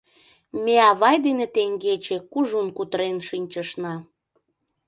Ме авай дене теҥгече кужун кутырен шинчышна.